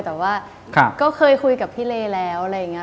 แต่ว่าก็เคยคุยกับพี่เลแล้วอะไรอย่างนี้